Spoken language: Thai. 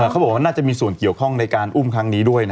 เขาบอกว่าน่าจะมีส่วนเกี่ยวข้องในการอุ้มครั้งนี้ด้วยนะ